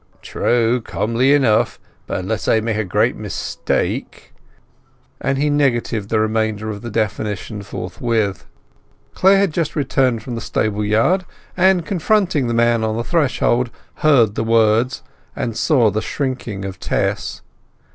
"True, comely enough. But unless I make a great mistake—" And he negatived the remainder of the definition forthwith. Clare had just returned from the stable yard, and, confronting the man on the threshold, heard the words, and saw the shrinking of Tess.